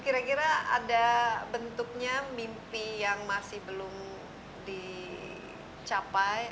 kira kira ada bentuknya mimpi yang masih belum dicapai